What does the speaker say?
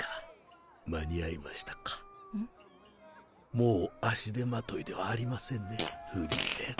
もう足手まといではありませんねフリーレン。